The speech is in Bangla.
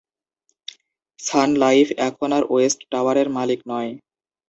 সান লাইফ এখন আর ওয়েস্ট টাওয়ারের মালিক নয়।